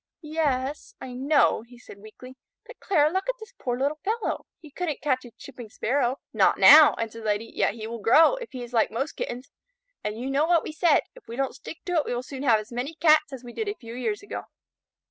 "Y yes, I know," he said weakly, "but Clara, look at this poor little fellow. He couldn't catch a Chipping Sparrow." "Not now," answered the Lady, "yet he will grow, if he is like most Kittens, and you know what we said. If we don't stick to it we will soon have as many Cats as we did a few years ago."